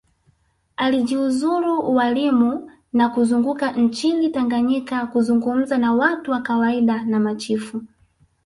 Alijiuzulu ualimu na kuzunguka nchini Tanganyika kuzungumza na watu wa kawaida na machifu